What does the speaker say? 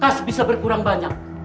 kas bisa berkurang banyak